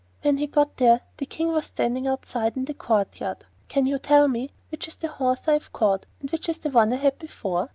When he got there, the King was standing outside in the courtyard. 'Can you tell me which is the horse I have caught, and which is the one I had before?